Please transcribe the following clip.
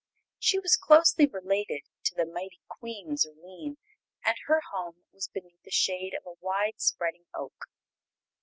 She was closely related to the mighty Queen Zurline, and her home was beneath the shade of a widespreading oak.